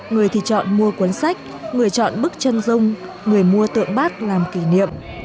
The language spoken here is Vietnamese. người thì chọn mua cuốn sách người chọn bức chân dung người mua tượng bác làm kỷ niệm